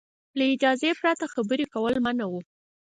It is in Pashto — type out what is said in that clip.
له اجازې پرته خبرې کول منع وو.